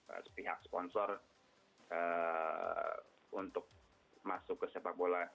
eee pihak sponsor eee untuk masuk ke sepak bola